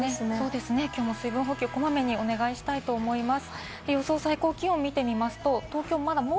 きょうも水分補給、こまめにお願いしたいと思います。